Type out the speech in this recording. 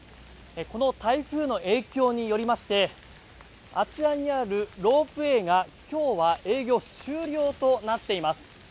この台風の影響によりましてあちらにあるロープウェーが今日は営業終了となっています。